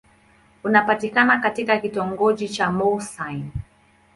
Unapatikana katika kitongoji cha Mouassine.